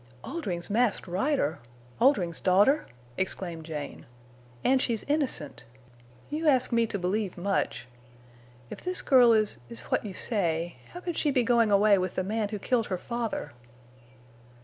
"Oldring's Masked Rider! Oldring's daughter!" exclaimed Jane. "And she's innocent! You ask me to believe much. If this girl is—is what you say, how could she be going away with the man who killed her father?"